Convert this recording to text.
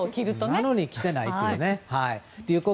それなのに着ていないという。